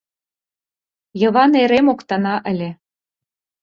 Йыван эре моктана ыле...